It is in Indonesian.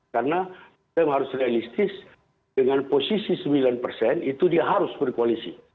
karena nasdem harus realistis dengan posisi sembilan persen itu dia harus berkoalisi